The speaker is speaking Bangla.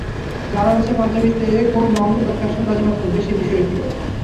জানার আছে পাঞ্জাবিতে কোন রং এবার ফ্যাশনে বাজিমাত করবে, সে বিষয়টিও।